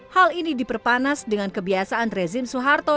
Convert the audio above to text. hal ini diperpanas dengan kebiasaan rezim soeharto